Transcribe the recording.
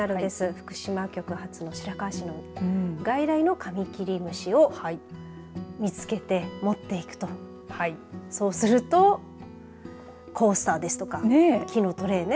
福島局発の白河市の外来のカミキリムシを見つけて持っていくとそうするとコースターですとか木のトレーね。